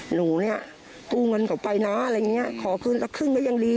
หนูเนี่ยกู้เงินเขาไปนะอะไรอย่างเงี้ยขอคืนละครึ่งก็ยังดี